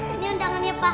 ini undangannya pak